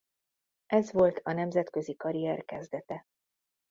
Ez volt a nemzetközi karrier kezdete.